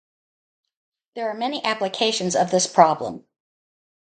There are many applications of this problem.